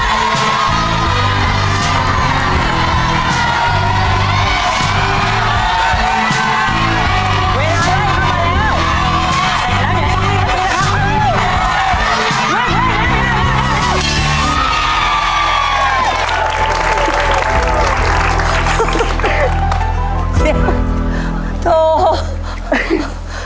เดี๋ยวโทษ